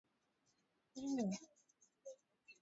ameonya machafuko yakiendelea nchini libya